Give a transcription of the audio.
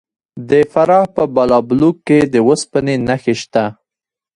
د فراه په بالابلوک کې د وسپنې نښې شته.